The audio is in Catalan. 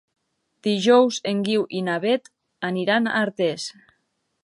Dijous en Guiu i na Beth aniran a Artés.